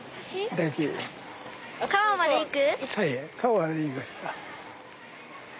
川まで行く。